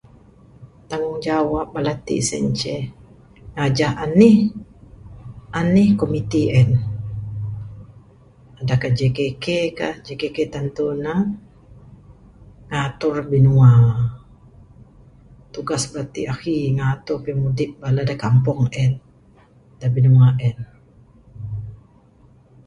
Tanggungjawab bala ti sien ceh ngajah anih anih komiti en adalah JKK ka JKK tantu ne ngatur binua tugas ne ti ahi ngatur pimudip bala da kampung en da binua en